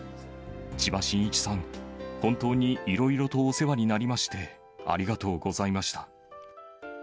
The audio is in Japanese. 千葉真一さん、本当にいろいろとお世話になりまして、ありがとうございました。